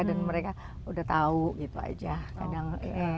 dan mereka udah tahu gitu aja kadang